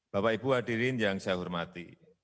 bapak ibu hadirin yang saya hormati